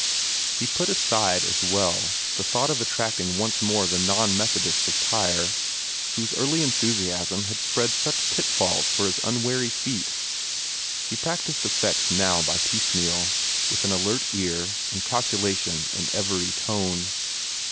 He put aside, as well; the thought of attracting once more the non Methodists of Tyre, whose early enthusiasm had spread such pitfalls for his unwary feet. He practised effects now by piecemeal, with an alert ear, and calculation in every tone.